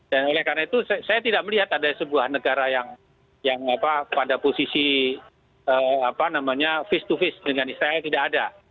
dan oleh karena itu saya tidak melihat ada sebuah negara yang pada posisi face to face dengan israel tidak ada